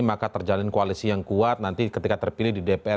maka terjalin koalisi yang kuat nanti ketika terpilih di dpr